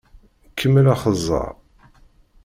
Kemmel axeẓẓeṛ!